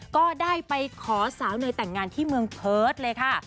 ก็ได้ไปขอสาวเนยแต่งงานที่เมืองเพิร์ตเลยค่ะ